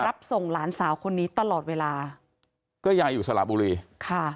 รับส่งหลานสาวคนนี้ตลอดเวลาก็ยายอยู่สระบุรีค่ะ